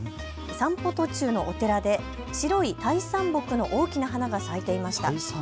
散歩途中のお寺で白いタイサンボクの大きな花が咲いていました。